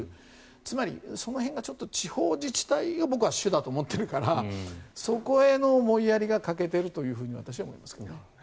つまり、その辺が地方自治体が僕は主だと思っているからそこへの思いやりが欠けているというふうに私は思いますけどね。